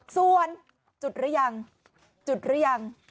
ส่วนจุดรึยัง